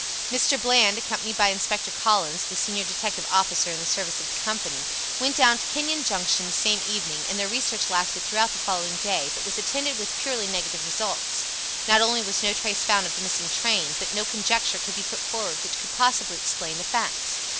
Mr. Bland, accompanied by Inspector Collins, the senior detective officer in the service of the company, went down to Kenyon Junction the same evening, and their research lasted throughout the following day, but was attended with purely negative results. Not only was no trace found of the missing train, but no conjecture could be put forward which could possibly explain the facts.